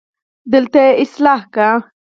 دلته يې اصلاح کړه